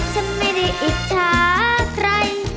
ฉันไม่ได้อิจฉาใคร